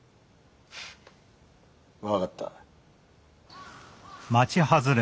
分かった。